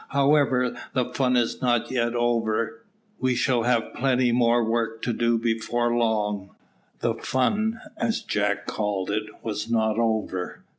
However, the fun is not over yet; we shall have plenty more work to do before long." The fun, as Jack called it, was not over.